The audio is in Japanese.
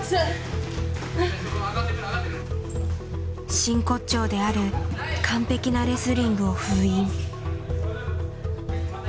真骨頂である完璧なレスリングを封印。